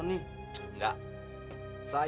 tidak ada masalah